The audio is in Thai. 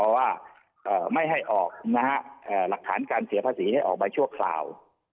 เพราะว่าไม่ให้ออกหลักฐานการเสียภาษีให้ออกไปชั่วคราว